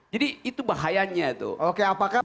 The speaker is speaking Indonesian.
jadi itu bahayanya tuh